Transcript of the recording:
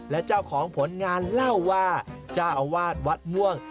และเจ้าของผลงานเล่าว่าเจ้าอาวาสวัดม่วง